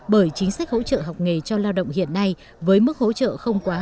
bởi chính sách hỗ trợ học nghề cho lao động hiện nay với mức hỗ trợ không quá